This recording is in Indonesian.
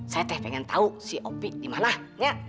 saya teh pengen tahu si opi dimanahnya